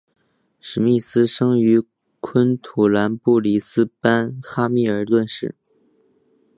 史密斯生于昆士兰布里斯班哈密尔顿市。